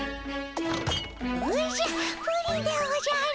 おじゃプリンでおじゃる。